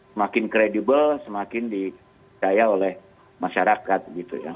semakin kredibel semakin dipercaya oleh masyarakat gitu ya